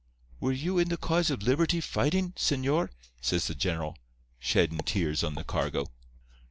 "'Were you in the cause of liberty fightin', señor?' says the general, sheddin' tears on the cargo.